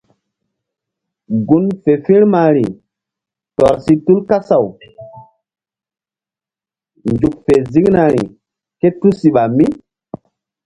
Gun fe firmari tɔr si tu kasaw nzuk fe ziŋnari ké tusiɓa mí.